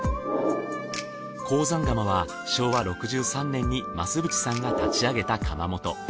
向山窯は昭和６３年に増渕さんが立ち上げた窯元。